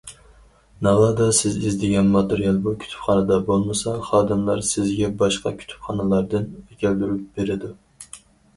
ناۋادا سىز ئىزدىگەن ماتېرىيال بۇ كۇتۇپخانىدا بولمىسا، خادىملار سىزگە باشقا كۇتۇپخانىلاردىن ئەكەلدۈرۈپ بېرىدۇ.